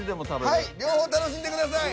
はい両方楽しんでください。